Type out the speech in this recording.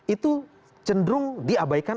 itu cenderung diabaikan